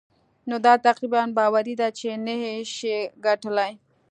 نو دا تقريباً باوري ده چې نه يې شې ګټلای.